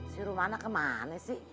si rumana ke mana sih